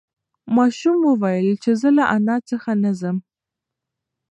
ماشوم وویل چې زه له انا څخه نه ځم.